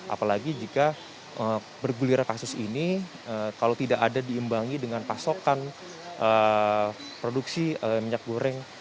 apalagi jika bergulir kasus ini kalau tidak ada diimbangi dengan pasokan produksi minyak goreng